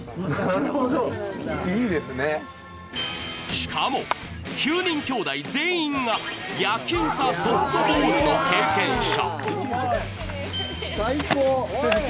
しかも、９人きょうだい全員が野球か、ソフトボールの経験者。